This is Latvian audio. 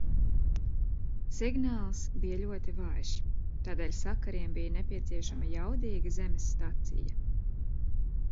Signāls bija ļoti vājš, tādēļ sakariem bija nepieciešama jaudīga zemes stacija.